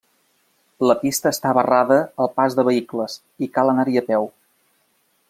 La pista està barrada al pas de vehicles i cal anar-hi a peu.